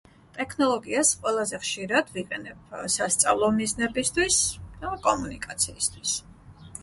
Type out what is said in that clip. ტექნოლოგიას ყველაზე ხშირად ვიყენებ, ეე, სასწავლო მიზნებისთვის და კომუნიკაციისთვის.